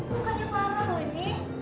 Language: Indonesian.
bukannya parah dong ini